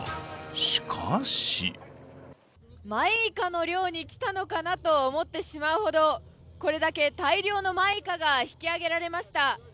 しかしマイカの漁に来たのかと思ってしまうほどこれだけ大量のマイカが引き揚げられました。